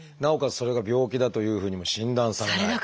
それが病気だというふうにも診断されない。